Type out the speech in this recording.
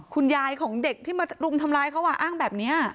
คุณยายของเด็กที่มารุมทำร้ายเขาอ้างแบบนี้